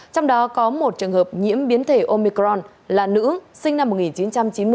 trong đó có một trường hợp nhiễm biến thể omicron là nữ sinh năm một nghìn chín trăm chín mươi